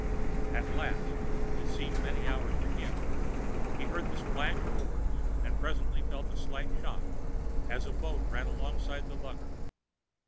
At last—it seemed many hours to him—he heard the splash of oars, and presently felt a slight shock as a boat ran alongside the lugger.